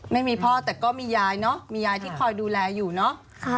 ไม่มีพ่อแต่ก็มียายเนอะมียายที่คอยดูแลอยู่เนาะ